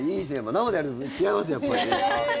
生でやると違いますねやっぱり。